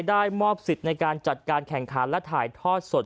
มอบสิทธิ์ในการจัดการแข่งขันและถ่ายทอดสด